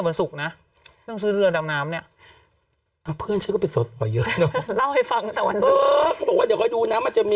กูไม่ได้พูดจากวันศุกร์นะ